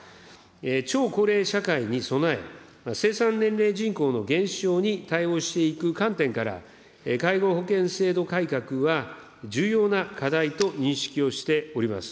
超高齢社会に備え、生産年齢人口の減少に対応していく観点から、介護保険制度改革は重要な課題と認識をしております。